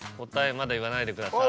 まだ言わないでください。